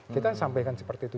kita sampaikan seperti itu